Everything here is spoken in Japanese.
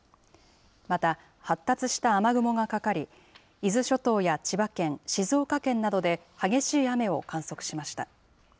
また、発達した雨雲がかかり、伊豆諸島や千葉県、静岡県などで、激しい雨を観測しました。